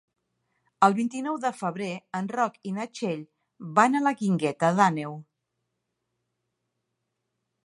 El vint-i-nou de febrer en Roc i na Txell van a la Guingueta d'Àneu.